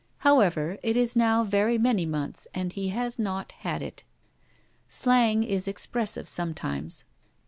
However, it is now very many months, and he has not had it. Slang is expressive sometimes.